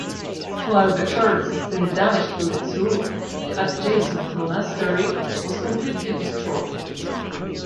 While the church sustained damage to its roof, the adjacent monastery was completely destroyed.